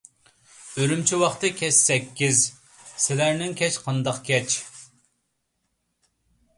ئۈرۈمچى ۋاقتى كەچ سەككىز، سىلەرنىڭ كەچ قانداق كەچ؟